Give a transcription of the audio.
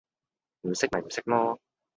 唔識咪唔識囉